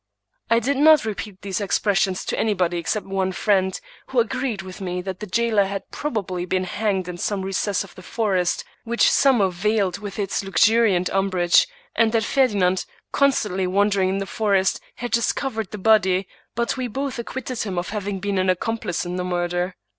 I did not repeat these expressions to any body except one friend, who agreed with me that the jailer had probably been hanged in some recess of the forest, which summer veiled with its luxuriant umbrage; and that Fer dinand, constantly wandering in the forest, had discovered the body ; but we both acquitted him of having been an ac complice in the murder.